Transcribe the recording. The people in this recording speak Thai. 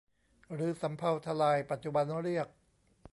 หรือสำเภาทะลายปัจจุบันเรียก